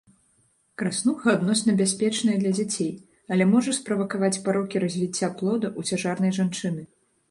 Краснуха адносна бяспечная для дзяцей, але можа справакаваць парокі развіцця плода ў цяжарнай жанчыны.